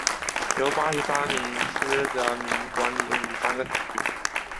由八十三名司铎名管理五十三个堂区。